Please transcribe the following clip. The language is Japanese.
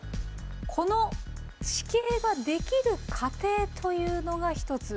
この地形ができる過程というのが一つ。